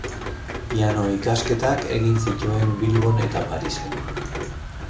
Piano-ikasketak egin zituen Bilbon eta Parisen.